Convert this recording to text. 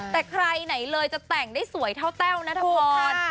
แต่ใครไหนเลยจะแต่งได้สวยเท่าแต้วนัทพร